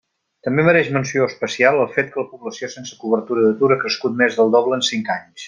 També mereix menció especial el fet que la població sense cobertura d'atur ha crescut més del doble en cinc anys.